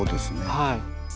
はい。